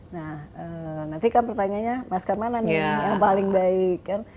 nah nanti kan pertanyaannya masker mana nih yang paling baik kan